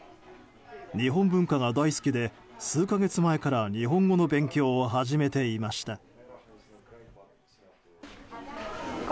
日本文化が大好きで数か月前から日本語の勉強を始めていました。